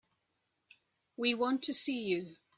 We want to see you.